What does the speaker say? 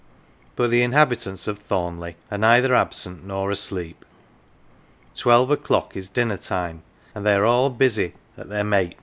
But the inhabitants of Thornleish are O neither absent nor asleep ; twelve o'clock is " dinner time " and they are all busy at their " mate.""